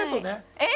えっ？